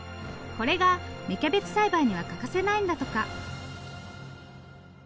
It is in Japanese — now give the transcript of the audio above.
これが芽キャベツ栽培には欠かせないんだとか。